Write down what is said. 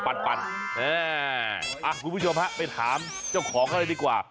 คุณผู้ชมฮะไปถามเจ้าของเขาเลยดีกว่า